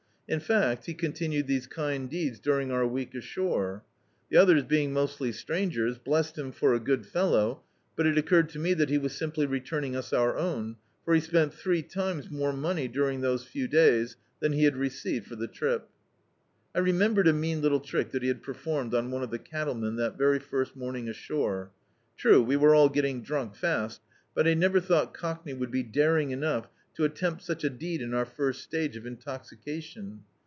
In fact, he continued these kind deeds during our week ashore. The others, being mostly strangers, blessed him for a good fellow> but it occurred to me that he was simply returning us our own, for he spent three times more money during those few days than be had re ceived for the trip. I remembered a mean little trick that he had performed on one of the cattlemen that very first morning ashore. True, we were all getting drunk fast, but I never thou^t Cockney would be daring enough to attempt such a deed in our first stage of intoxication.